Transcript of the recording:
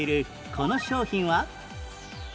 この商品は？